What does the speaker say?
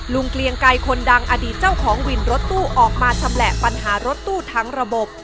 เกลียงไกรคนดังอดีตเจ้าของวินรถตู้ออกมาชำแหละปัญหารถตู้ทั้งระบบ